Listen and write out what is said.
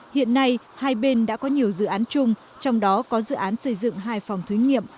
hiện nay hai bên đã có nhiều dự án chung trong đó có dự án xây dựng hai phòng thí nghiệm